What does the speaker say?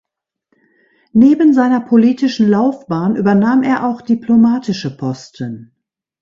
Neben seiner politischen Laufbahn übernahm er auch diplomatische Posten.